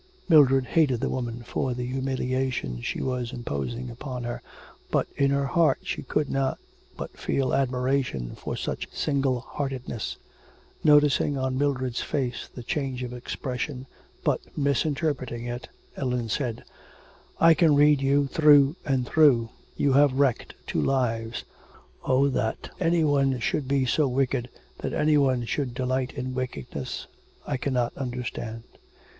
Mildred hated the woman for the humiliation she was imposing upon her, but in her heart she could not but feel admiration for such single heartedness. Noticing on Mildred's face the change of expression, but misinterpreting it, Ellen said: 'I can read you through and through. You have wrecked two lives. Oh, that any one should be so wicked, that any one should delight in wickedness. I cannot understand.'